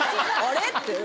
あれ？って。